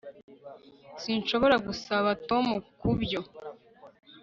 Sinshobora gusaba Tom kubyo